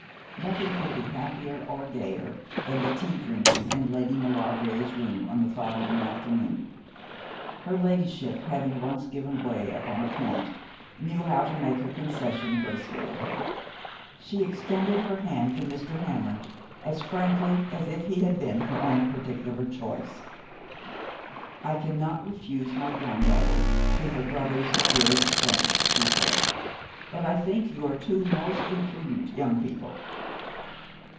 Nothing could be happier or gayer than the tea drinking in Lady Maulevrier's room on the following afternoon. Her ladyship having once given way upon a point knew how to make her concession gracefully. She extended her hand to Mr. Hammond as frankly as if he had been her own particular choice. 'I cannot refuse my granddaughter to her brother's dearest friend,' she said, 'but I think you are two most imprudent young people.'